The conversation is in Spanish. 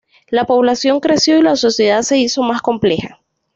La población creció y la sociedad se hizo más compleja.